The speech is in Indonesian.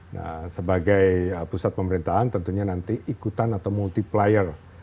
nah sebagai pusat pemerintahan tentunya nanti ikutan atau multiplier